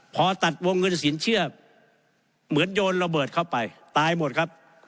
พอตัดวงเงินสินเชื่อเหมือนโยนระเบิดเข้าไปตายหมดครับ